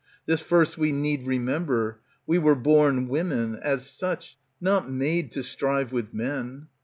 ^ This first we need remember, we were born Women ; as such, not made to strive with men.